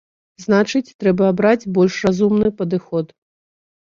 Значыць, трэба абраць больш разумны падыход.